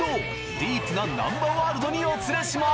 ディープななんばワールドにお連れします！